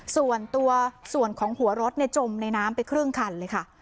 ส่วนตัวส่วนของหัวรถจมในน้ำไปครึ่งคันเลยค่ะ